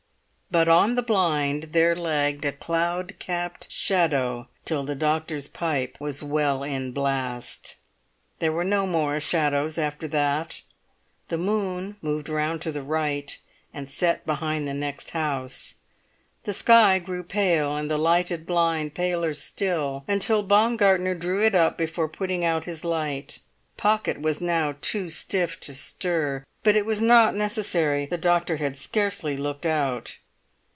But on the blind there lagged a cloud capped shadow till the doctor's pipe was well in blast. There were no more shadows after that. The moon moved round to the right, and set behind the next house. The sky grew pale, and the lighted blind paler still, until Baumgartner drew it up before putting out his light. Pocket was now too stiff to stir; but it was not necessary; the doctor had scarcely looked out.